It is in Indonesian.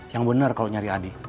yang benar kalau nyari adi